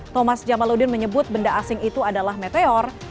thomas jamaludin menyebut benda asing itu adalah meteor